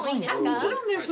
もちろんです。